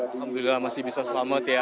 alhamdulillah masih bisa selamat ya